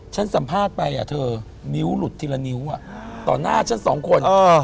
สัมภาษณ์ไปเธอนิ้วหลุดทีละนิ้วต่อหน้าฉันสองคน